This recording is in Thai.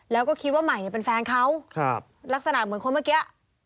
แล้วก็คิดว่าใหม่เนี่ยเป็นแฟนเขาลักษณะเหมือนคนเมื่อกี้